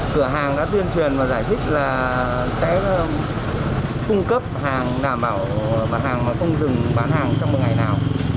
cửa hàng đã tuyên truyền và giải thích là sẽ cung cấp hàng đảm bảo hàng mà không dừng bán hàng trong một ngày nào